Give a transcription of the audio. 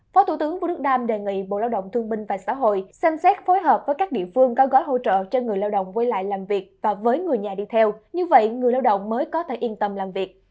phó thủ tướng vũ đức đam đề nghị bộ lao động thương binh và xã hội xem xét phối hợp với các địa phương có gói hỗ trợ cho người lao động quay lại làm việc và với người nhà đi theo như vậy người lao động mới có thể yên tâm làm việc